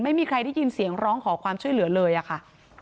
ไม่มีใครได้ยินเสียงร้องขอความช่วยเหลือเลยอะค่ะ